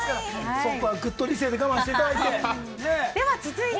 そこはぐっと理性で我慢していただいて。